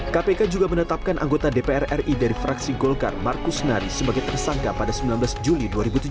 kpk juga menetapkan anggota dpr ri dari fraksi golkar markus nari sebagai tersangka pada sembilan belas juli dua ribu tujuh belas